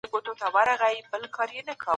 د نورو موسسو سياست د دولت تر څارنې لاندې دی.